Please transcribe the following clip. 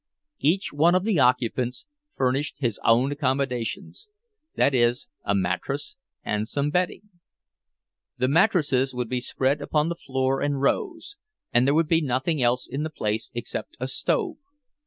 Each one of the occupants furnished his own accommodations—that is, a mattress and some bedding. The mattresses would be spread upon the floor in rows—and there would be nothing else in the place except a stove.